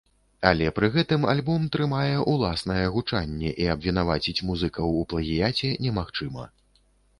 Але пры гэтым альбом трымае ўласнае гучанне і абвінаваць музыкаў у плагіяце немагчыма.